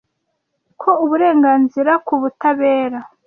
ko uburenganzira ku butabera